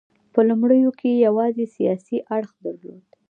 په لومړیو کې یې یوازې سیاسي اړخ درلود.